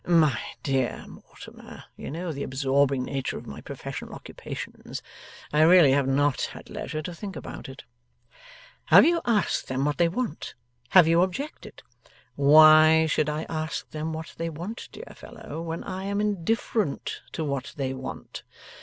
'My dear Mortimer, you know the absorbing nature of my professional occupations; I really have not had leisure to think about it.' 'Have you asked them what they want? Have you objected?' 'Why should I ask them what they want, dear fellow, when I am indifferent what they want?